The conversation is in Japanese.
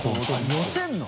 寄せるの？